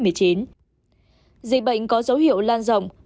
dịch bệnh có dấu hiệu lan rộng bất chấp chủ tịch kim jong un ra lệnh phong tỏa toàn quốc